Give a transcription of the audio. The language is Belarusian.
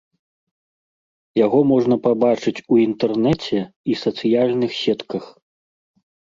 Яго можна пабачыць у інтэрнэце і сацыяльных сетках.